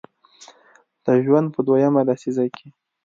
د ژوند په دویمه لسیزه کې